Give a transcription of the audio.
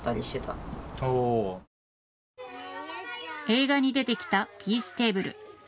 映画に出てきたピーステーブル。